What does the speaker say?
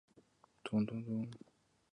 达瓦齐仅带少数人仓皇南逃。